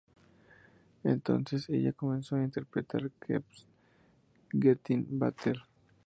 Entonces, ella comenzó a interpretar "Keeps Gettin' Better".